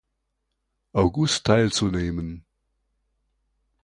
August teilzunehmen.